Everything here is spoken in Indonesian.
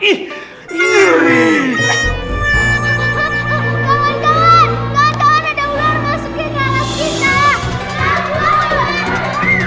kawan kawan ada ular masukin ke alas kita